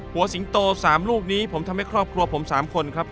สิงโต๓ลูกนี้ผมทำให้ครอบครัวผม๓คนครับ